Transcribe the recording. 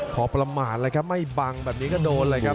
พอประมาทเลยครับไม่บังแบบนี้ก็โดนเลยครับ